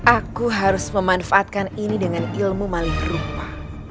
aku harus memanfaatkan ini dengan ilmu malih rupa